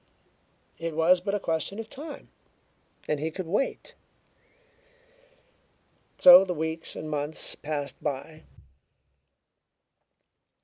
It was but a question of time and he could wait. So the weeks and months passed by.